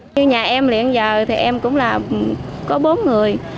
như nhà em hiện giờ thì em cũng là có bốn người